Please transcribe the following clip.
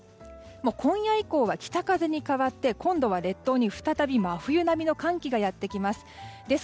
今夜以降は北風に代わって今度は列島に再び真冬並みの寒気がやってきます。